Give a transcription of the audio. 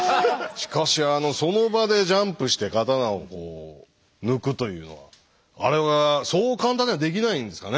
しかしその場でジャンプして刀を抜くというのはあれはそう簡単にはできないんですかね。